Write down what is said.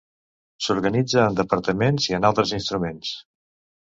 S'organitza en departaments i en altres instruments.